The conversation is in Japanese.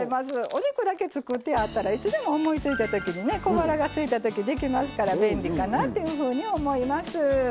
お肉だけ作ってあったらいつでも思いついたときにね小腹がすいたときできますから便利かなっていうふうに思います。